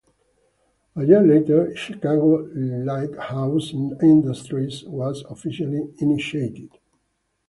A year later, Chicago Lighthouse Industries was officially initiated.